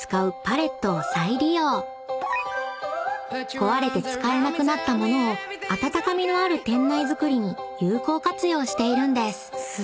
［壊れて使えなくなった物を温かみのある店内づくりに有効活用しているんです］